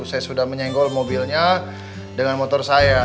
saya sudah menyenggol mobilnya dengan motor saya